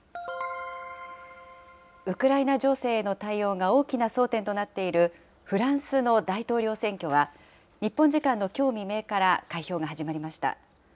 ウクライナ情勢への対応が大きな争点となっているフランスの大統領選挙は、日本時間のきょう未明から開票が始まりました。